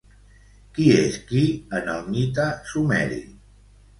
Qui és Ki en el mite sumeri?